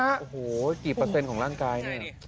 โอ้โหกี่เปอร์เซ็นต์ของร่างกายนี่